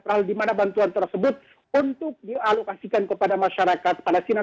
perhal dimana bantuan tersebut untuk dialokasikan kepada masyarakat palestina